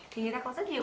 thì người ta có rất nhiều